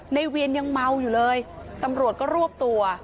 เวียนยังเมาอยู่เลยตำรวจก็รวบตัว